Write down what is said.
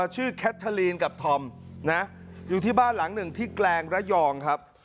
แคทเทอลีนกับธอมนะอยู่ที่บ้านหลังหนึ่งที่แกลงระยองครับ